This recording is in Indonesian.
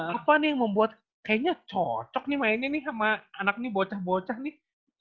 apa nih yang membuat kayaknya cocok nih mainnya nih sama anak ini bocah bocah nih